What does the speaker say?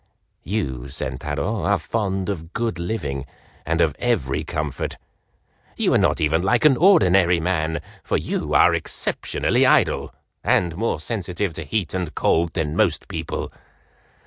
"You, Sentaro, are fond of good living and of every comfort. You are not even like an ordinary man, for you are exceptionally idle, and more sensitive to heat and cold than most people.